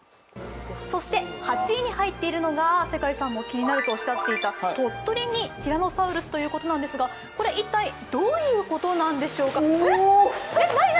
そして８位に入っているのが世界さんも気になるとおっしゃっていた鳥取にティラノサウルスということなんですがこれ、一体どういうことなんでしょうかえっ、何？